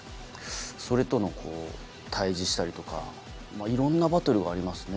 それと対峙したりとかいろんなバトルがありますね。